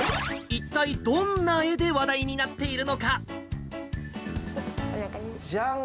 一体どんな絵で話題になってじゃん！